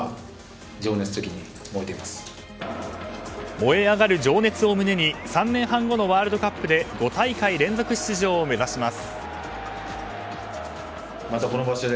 燃え上がる情熱を胸に３年半後のワールドカップで５大会連続出場を目指します。